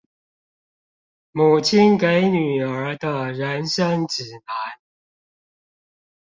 母親給女兒的人生指南